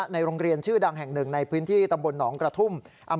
ในโรงเรียนชื่อดังแห่งหนึ่งในพื้นที่ตำบลหนองกระทุ่ม